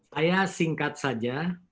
saya singkat saja